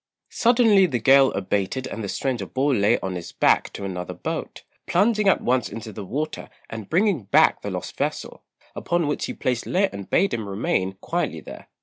Suddenly the gale abated and the stranger bore Lê on his back to another boat, plunging at once into the water and bringing back the lost vessel, upon which he placed Lê and bade him remain quietly there.